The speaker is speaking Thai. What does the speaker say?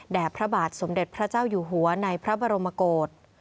พระบาทสมเด็จพระเจ้าอยู่หัวในพระบรมโกศ